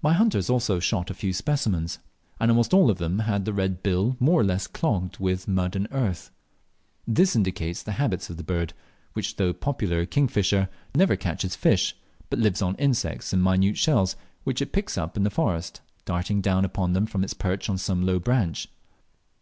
My hunters also shot a few specimens, and almost all of them had the red bill more or less clogged with mud and earth. This indicates the habits of the bird, which, though popularly a king fisher, never catches fish, but lives on insects and minute shells, which it picks up in the forest, darting down upon them from its perch on some low branch.